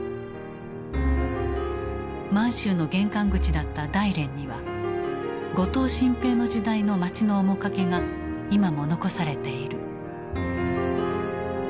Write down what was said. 満州の玄関口だった大連には後藤新平の時代の街の面影が今も残されている。